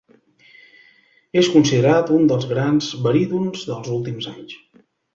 És considerat un dels grans barítons dels últims anys.